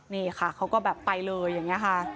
นี่ค่ะเขาก็แบบไปเลยอย่างนี้ค่ะ